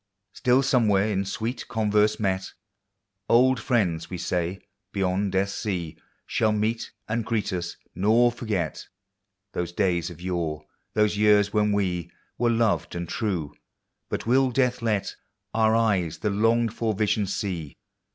Still somewhere in sweet converse met. Old friends, we sav, bevond death's sea Shall meet and greet us, nor forget Those days of yore, those years when we Were loved and true,— but will death let Our eyes the longed for vision see?